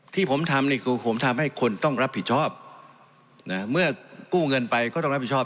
ที่ผมทำนี่คือผมทำให้คนต้องรับผิดชอบนะเมื่อกู้เงินไปก็ต้องรับผิดชอบ